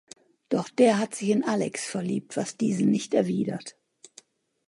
Doch der hat sich in Alex verliebt, was diese nicht erwidert.